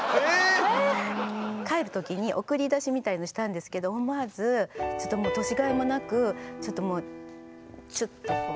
帰る時に送り出しみたいのしたんですけど思わずちょっともう年がいもなくちょっともうチュッとこう。